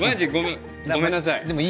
ごめんなさい。